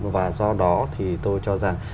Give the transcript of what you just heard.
và do đó thì tôi cho rằng